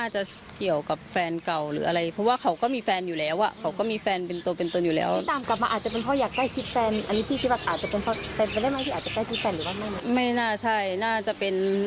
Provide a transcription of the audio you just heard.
ใช้ชื่อฟ้าเปิดบัญชีไง